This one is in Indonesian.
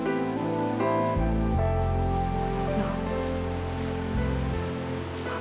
ma aku mau pergi